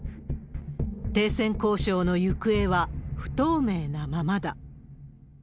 停戦交渉の行方は不透明なままだ。